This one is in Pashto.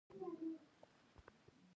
هغه د پسرلي په راتګ خوشحاله و.